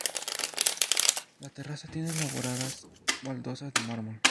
La terraza tiene elaboradas baldosas de mármol.